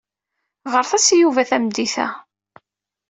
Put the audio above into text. Ɣret-as i Yuba tameddit-a.